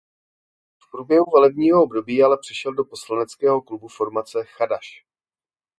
V průběhu volebního období ale přešel do poslaneckého klubu formace Chadaš.